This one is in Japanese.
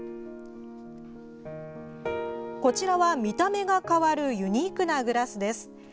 こちらは、見た目が変わるユニークなグラスです。